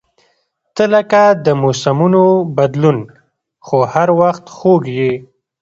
• ته لکه د موسمونو بدلون، خو هر وخت خوږ یې.